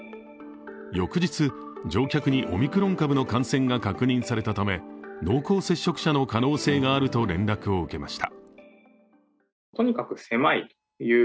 翌日、乗客にオミクロン株の感染が確認されたため濃厚接触者の可能性があると連絡を受けました。